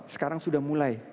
sekarang sudah mulai